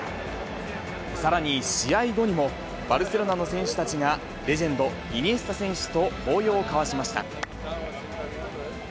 さらに試合後にも、バルセロナの選手たちが、レジェンド、イニエスタ選手と抱擁を交わしました。